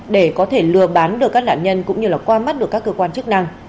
để có thể lừa bán được các nạn nhân cũng như qua mắt được các cơ quan chức năng